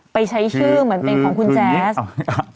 ไปใช้ชื่อเหมือนเป็นของคุณแจ๊ส